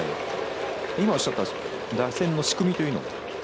今おっしゃった打線の仕組みというのは？